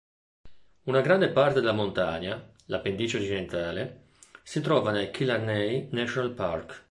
Una grande parte della montagna, la pendice occidentale, si trova nel Killarney National Park.